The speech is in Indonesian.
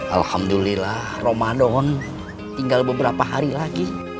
alhamdulillah ramadan tinggal beberapa hari lagi